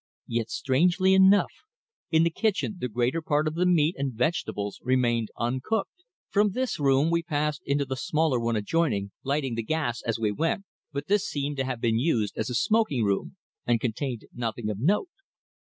Yet strangely enough, in the kitchen the greater part of the meat and vegetables remained uncooked. From this room we passed into the smaller one adjoining, lighting the gas as we went, but this seemed to have been used as a smoking room, and contained nothing of note.